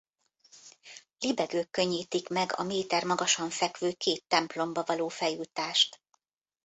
Libegők könnyítik meg a méter magasan fekvő két templomba való feljutást.